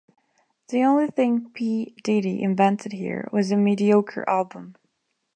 The only thing P. Diddy "Invented" here was a mediocre album.